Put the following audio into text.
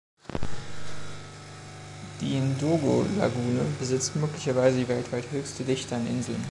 Die Ndogo-Lagune besitzt möglicherweise die weltweit höchste Dichte an Inseln.